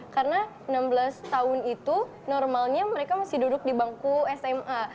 karena enam belas tahun itu normalnya mereka masih duduk di bangku sma